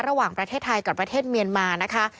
ระหว่างประเทศไทยกับประเทศเมียนมานะคะ